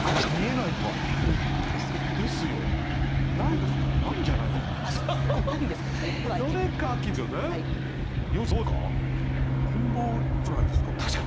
ないないんじゃないですか？